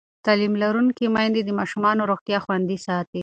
تعلیم لرونکې میندې د ماشومانو روغتیا خوندي ساتي.